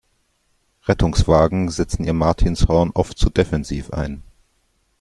Rettungswagen setzen ihr Martinshorn oft zu defensiv ein.